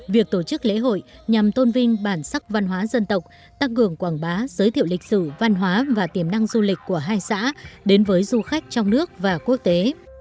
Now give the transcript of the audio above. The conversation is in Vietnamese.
việc tổ chức lễ hội nhằm tôn vinh bản sắc văn hóa dân tộc tăng cường quảng bá giới thiệu lịch sử văn hóa và tiềm năng du lịch của hai xã đến với du khách trong nước và quốc tế